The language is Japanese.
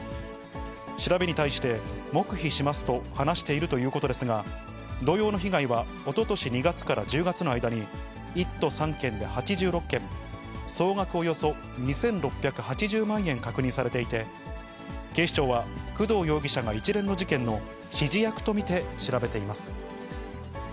調べに対して、黙秘しますと話しているということですが、同様の被害はおととし２月から１０月の間に、１都３県で８６件、総額およそ２６８０万円確認されていて、警視庁は、工藤容疑者が一連の事件の指示役と見て調べています。